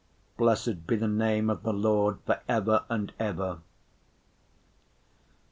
Blessed be the name of the Lord for ever and ever."